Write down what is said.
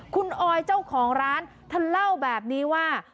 คุณออยเจ้าของร้านท่านเล่าแบบนี้ว่า